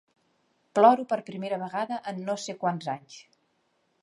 Ploro per primera vegada en no sé quants anys.